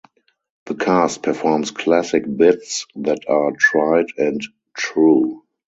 The cast performs classic bits that are tried and true.